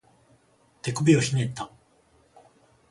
手首をひねった